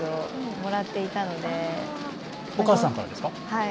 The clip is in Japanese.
はい。